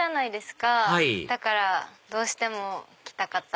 はいだからどうしても来たかった。